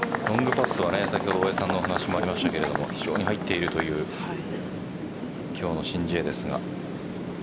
ロングパッドは先ほど大江さんの話にもありますけど非常に入っているという今日の申ジエですが。